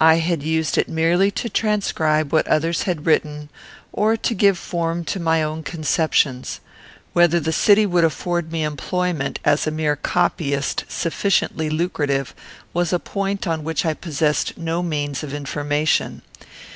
I had used it merely to transcribe what others had written, or to give form to my own conceptions. Whether the city would afford me employment, as a mere copyist, sufficiently lucrative, was a point on which I possessed no means of information.